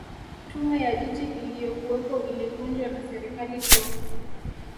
tume ya jiji iliyokuwepo ilivunjwa na serikali kuu